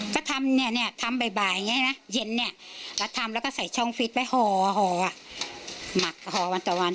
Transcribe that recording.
ก็ทำเนี่ยทำบ่ายอย่างนี้นะเย็นเนี่ยก็ทำแล้วก็ใส่ช่องฟิตไว้ห่อหมักห่อวันต่อวัน